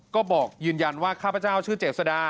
ก็บอกยืนยันว่าข้าพเจ้าชื่อเจษดา